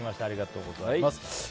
ありがとうございます。